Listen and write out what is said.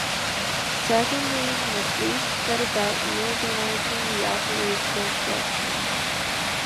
Secondly, MacLeish set about reorganizing the operational structure.